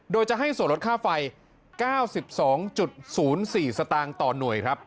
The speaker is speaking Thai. โดยจะให้ส่วนลดค่าไฟ๙๒๐๔สตางค์ต่อหน่วยครับ